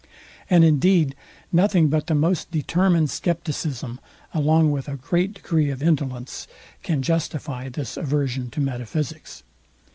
And indeed nothing but the most determined scepticism, along with a great degree of indolence, can justify this aversion to metaphysics.